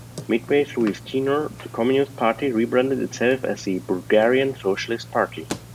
Midway through his tenure, the Communist Party rebranded itself as the Bulgarian Socialist Party.